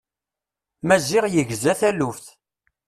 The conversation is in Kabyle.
Maziɣ yegza taluft.